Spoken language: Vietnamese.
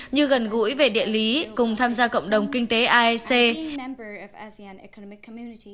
như gần gũi về địa lý cùng tham gia cộng đồng kinh tế aec